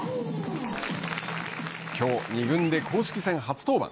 きょう２軍で公式戦初登板。